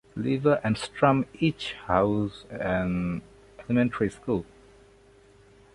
Eleva and Strum each house an elementary school.